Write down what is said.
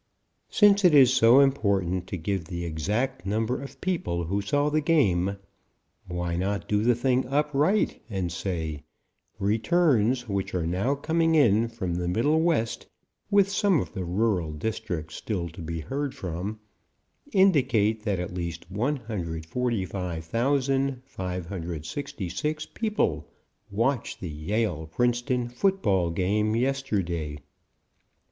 Since it is so important to give the exact number of people who saw the game, why not do the thing up right and say: "Returns which are now coming in from the Middle West, with some of the rural districts still to be heard from, indicate that at least 145,566 people watched the Yale Princeton football game yesterday.